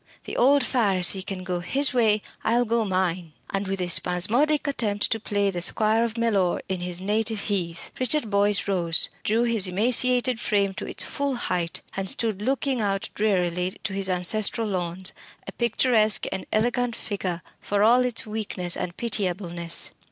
the old Pharisee can go his way: I'll go mine." And with a spasmodic attempt to play the squire of Mellor on his native heath, Richard Boyce rose, drew his emaciated frame to its full height, and stood looking out drearily to his ancestral lawns a picturesque and elegant figure, for all its weakness and pitiableness.